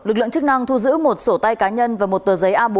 lực lượng chức năng thu giữ một sổ tay cá nhân và một tờ giấy a bốn